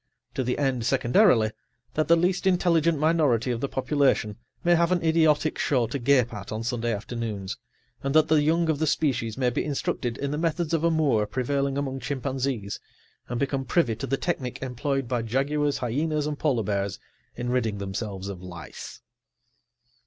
To the end, secondarily, that the least intelligent minority of the population may have an idiotic show to gape at on Sunday afternoons, and that the young of the species may be instructed in the methods of amour prevailing among chimpanzees and become privy to the technic employed by jaguars, hyenas and polar bears in ridding themselves of lice.